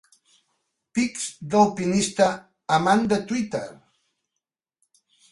Pics d'alpinista amant de Twitter.